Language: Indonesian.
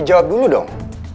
jawab dulu dong